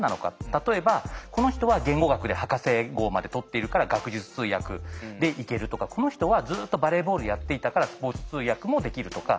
例えばこの人は言語学で博士号まで取っているから学術通訳でいけるとかこの人はずっとバレーボールやっていたからスポーツ通訳もできるとか。